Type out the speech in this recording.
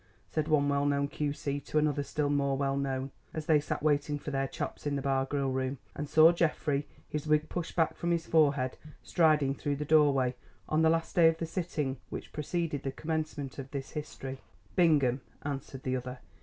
said one well known Q.C. to another still more well known, as they sat waiting for their chops in the Bar Grill Room, and saw Geoffrey, his wig pushed back from his forehead, striding through the doorway on the last day of the sitting which preceded the commencement of this history. "Bingham," answered the other.